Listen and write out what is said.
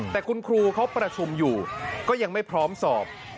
แต่คุณครูเขาประชุมอยู่ก็ยังไม่พร้อมสอบ